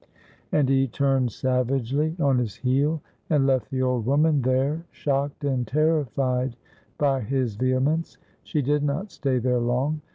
And he turned savagely on his heel and left the old woman there shocked and terrified by his vehemence. She did not stay there long.